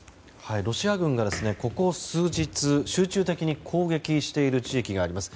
ロシア軍がここ数日、集中的に攻撃している地域があります。